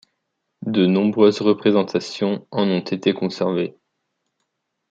De nombreuses représentations en ont été conservées.